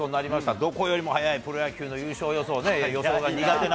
どこよりも早いプロ野球の優勝予想ね、予想が苦手な。